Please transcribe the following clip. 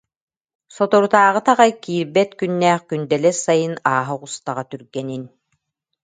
Соторутааҕыта аҕай киирбэт күннээх күндэлэс сайын ааһа оҕустаҕа түргэнин